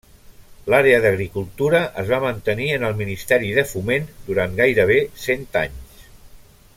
L'àrea d'agricultura es va mantenir en el Ministeri de Foment durant gairebé cent anys.